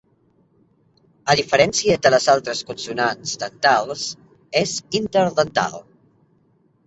A diferència de les altres consonants dentals, és interdental.